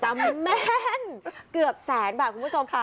แม่นเกือบแสนบาทคุณผู้ชมค่ะ